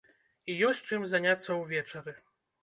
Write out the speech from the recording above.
І ёсць чым заняцца ўвечары.